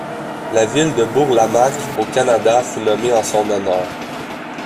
La ville de Bourlamaque au Canada fut nommé en son honneur.